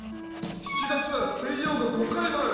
７月は水曜が５回もある！